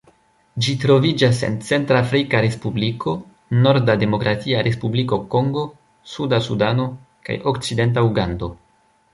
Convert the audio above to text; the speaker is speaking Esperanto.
Ĝi troviĝas en Centrafrika Respubliko, norda Demokratia Respubliko Kongo, suda Sudano kaj okcidenta Ugando.